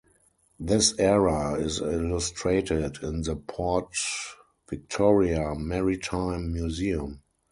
This era is illustrated in the Port Victoria Maritime Museum.